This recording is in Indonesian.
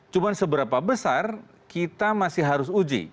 cuma seberapa besar kita masih harus uji